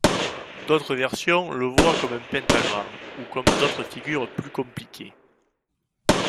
D'autres versions le voient comme un pentagramme, ou comme d'autres figures plus compliquées.